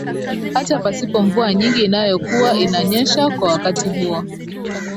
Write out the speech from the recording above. Hta pasipo mvua nyingi ianayokuwa inanyesha kwa wakati huo